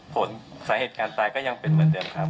ผลสาเหตุการณ์ตายก็ยังเป็นเหมือนเดิมครับ